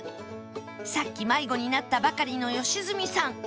さっき迷子になったばかりの良純さん